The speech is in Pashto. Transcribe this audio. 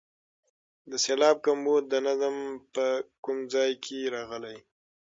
د سېلاب کمبود د نظم په کوم ځای کې راغلی.